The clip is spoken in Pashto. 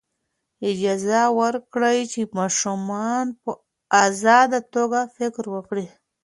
اجازه ورکړئ چې ماشومان په ازاده توګه فکر وکړي.